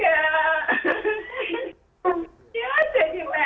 tadi ngapain aja di rumah